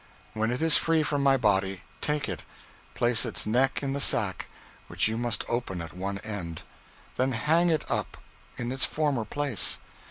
When it is free from my body, take it, place its neck in the sack, which you must open at one end. Then hang it up in its former place.